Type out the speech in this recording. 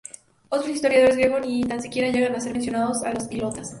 Otros historiadores griegos ni tan siquiera llegan a mencionar a los hilotas.